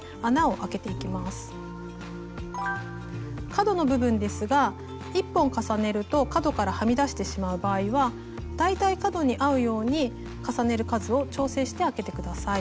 角の部分ですが１本重ねると角からはみ出してしまう場合は大体角に合うように重ねる数を調整してあけて下さい。